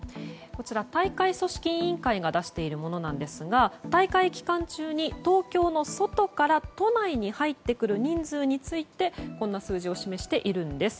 大会組織委員会が出しているものですが大会期間中に、東京の外から都内に入ってくる人数についてこんな数字を示しているんです。